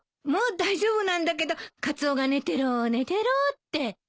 もう大丈夫なんだけどカツオが寝てろ寝てろって。